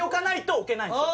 置けないんですよ